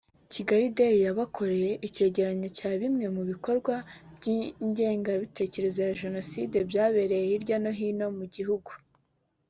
Kigali Today yabakoreye icyegeranyo cya bimwe mu bikorwa by’ingengabitekerezo ya Jenoside byagaragaye hirya no hino mu gihugu